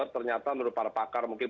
ternyata menurut para pakar mungkin